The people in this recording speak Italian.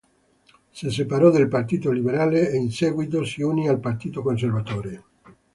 Si separò dal Partito Liberale e in seguito si unì al Partito Conservatore.